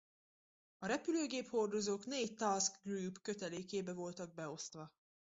A repülőgép-hordozók négy Task Group kötelékébe voltak beosztva.